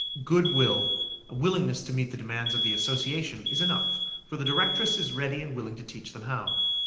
"Good will", a willingness to meet the demands of the Association is enough, for the directress is ready and willing to teach them how.